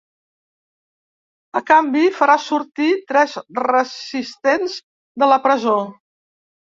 A canvi, farà sortir tres resistents de la presó.